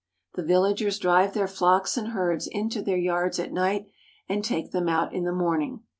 The villagers drive their flocks and herds into their yards at night, and take them out in the morning.